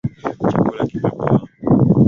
Chakula kimepoa.